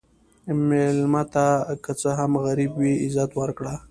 مېلمه ته که څه هم غریب وي، عزت ورکړه.